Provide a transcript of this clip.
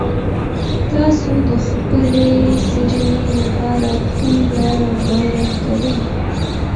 تاسو د خپلې څېړني لپاره کومه لاره غوره کوئ؟